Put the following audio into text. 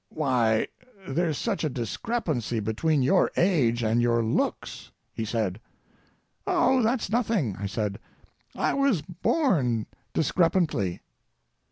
"Why, there's such a discrepancy between your age and your looks," he said. "Oh, that's nothing," I said, "I was born discrepantly."